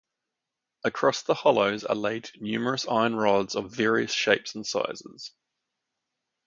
Across the hollows are laid numerous iron rods of various shapes and sizes.